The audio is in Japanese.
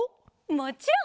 もちろん！